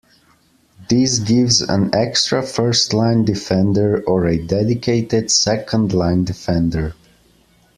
This gives an extra first line defender or a dedicated second line defender.